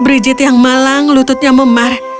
brigit yang malang lututnya memar